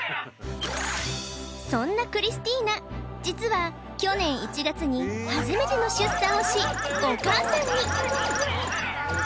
そんなクリスティーナ実は去年１月に初めての出産をしお母さんに！